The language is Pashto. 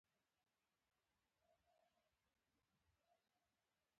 نوګالس ښار د اوسپنیزو کټارو په واسطه پر دوو برخو وېشل شوی.